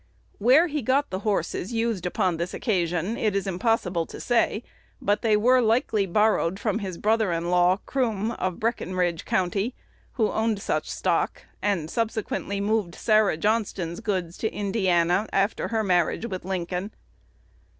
Where he got the horses used upon this occasion, it is impossible to say; but they were likely borrowed from his brother in law, Krume, of Breckinridge County, who owned such stock, and subsequently moved Sarah Johnston's goods to Indiana, after her marriage with Lincoln.